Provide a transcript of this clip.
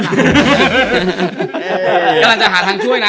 กำลังจะหาทางช่วยนะ